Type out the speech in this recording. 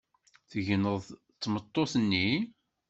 Tegneḍ d tmeṭṭut-nni?